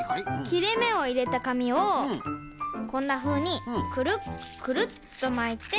きれめをいれたかみをこんなふうにくるっくるっとまいて。